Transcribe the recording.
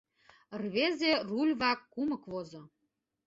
Рвезе руль вак кумык возо.